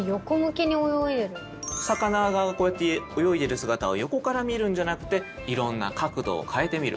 魚がこうやって泳いでる姿を横から見るんじゃなくていろんな角度を変えてみる。